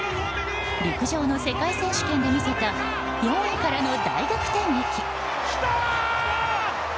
陸上の世界選手権で見せた４位からの大逆転劇。